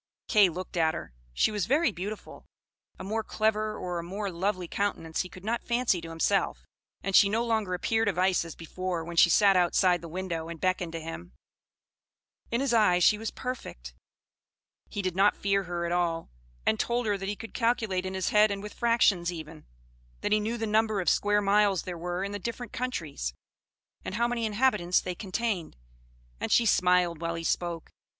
Kay looked at her. She was very beautiful; a more clever, or a more lovely countenance he could not fancy to himself; and she no longer appeared of ice as before, when she sat outside the window, and beckoned to him; in his eyes she was perfect, he did not fear her at all, and told her that he could calculate in his head and with fractions, even; that he knew the number of square miles there were in the different countries, and how many inhabitants they contained; and she smiled while he spoke.